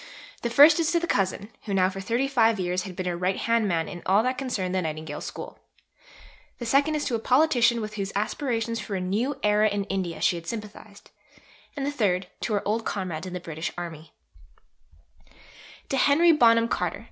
The first is to the cousin who now for thirty five years had been her right hand man in all that concerned the Nightingale School; the second is to a politician with whose aspirations for a new era in India she had sympathized; and the third, to her old comrades in the British Army: (_To Henry Bonham Carter.